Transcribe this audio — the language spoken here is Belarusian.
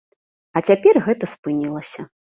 А цяпер гэта спынілася.